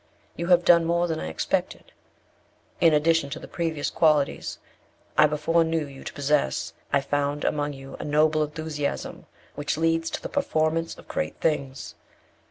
You have done more than I expected. In addition to the previous qualities I before knew you to possess, I found among you a noble enthusiasm, which leads to the performance of great things.